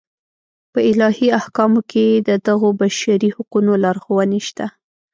په الهي احکامو کې د دغو بشري حقونو لارښوونې شته.